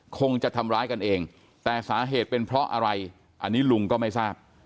คงจะทำร้ายกันเองแต่สาเหตุเป็นเพราะอะไรอันนี้ลุงก็ไม่ทราบ